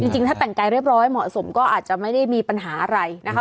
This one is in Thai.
จริงถ้าแต่งกายเรียบร้อยเหมาะสมก็อาจจะไม่ได้มีปัญหาอะไรนะคะ